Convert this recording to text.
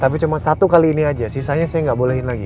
tapi cuma satu kali ini aja sisanya saya nggak bolehin lagi